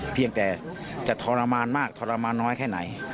เพียงแต่จะทรมานมากทรมานน้อยแค่ไหน